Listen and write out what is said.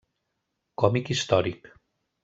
Còmic històric: